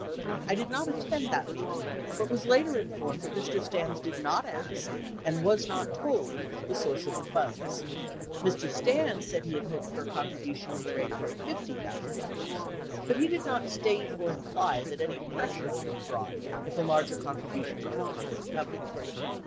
I did not attend that meeting, but was later informed that Mr. Stans did not ask, and was not told, the source of the funds ; Mr. Stans said he had hoped for a con tribution in the range of $50,000, but he did not state or imply that any pressure would be brought if a larger contribution was not forthcoming.